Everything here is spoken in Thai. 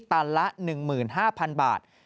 ตันละ๑๕๐๐๐บาท